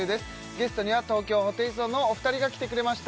ゲストには東京ホテイソンのお二人が来てくれました